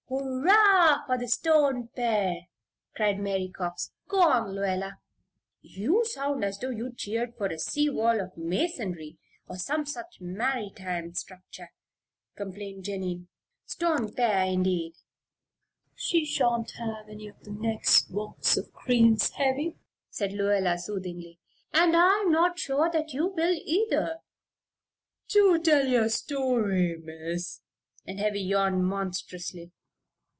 "Hurrah for the Stone pere!" cried Mary Cox. "Go on, Lluella." "You sound as though you cheered for a sea wall of masonry, or some such maritime structure," complained Jennie. "'Stone pere,' indeed!" "She sha'n't have any of the next box of creams, Heavy," said Lluella, soothingly. "And I'm not sure that you will, either," replied the fat girl. "Do tell your story, Miss!" and Heavy yawned monstrously.